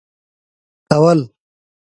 كول.